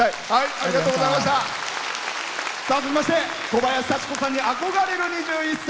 続きまして小林幸子さんに憧れる２１歳。